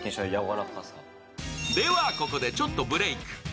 では、ここでちょっとブレーク。